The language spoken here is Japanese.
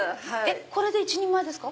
これで１人前ですか？